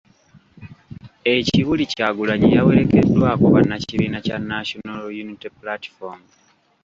E Kibuli Kyagulanyi yawerekeddwako bannakibiina kya National Unity Platform.